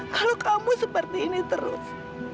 kalau kamu seperti ini terus